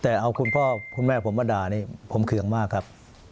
แต่เอาคุณพ่อคุณแม่ผมมาด่านี่ผมเคืองมากครับ